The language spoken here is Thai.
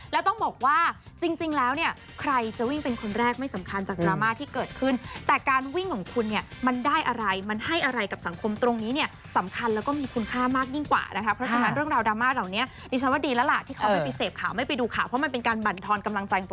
แล้วต้องบอกว่าจริงแล้วเนี่ยใครจะวิ่งเป็นคนแรกไม่สำคัญจากดราม่าที่เกิดขึ้นแต่การวิ่งของคุณเนี่ยมันได้อะไรมันให้อะไรกับสังคมตรงนี้เนี่ยสำคัญแล้วก็มีคุณค่ามากยิ่งกว่านะคะเพราะฉะนั้นเรื่องราวดราม่าเหล่านี้ดิฉันว่าดีแล้วล่ะที่เขาไม่ไปเสพข่าวไม่ไปดูข่าวเพราะมันเป็นการบรรทอนกำลังใจตัว